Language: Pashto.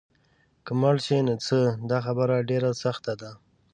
که مړه شي نو څه؟ دا خبره ډېره سخته ده.